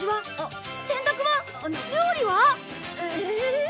料理は？ええ？